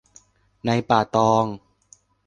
ในป่าตอง